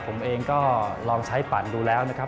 ผมเองก็ลองใช้ปั่นดูแล้วนะครับ